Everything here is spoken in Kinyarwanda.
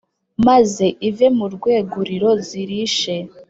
maze ive mu rwêguriro zirishe.